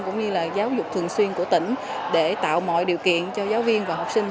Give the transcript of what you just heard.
cũng như là giáo dục thường xuyên của tỉnh để tạo mọi điều kiện cho giáo viên và học sinh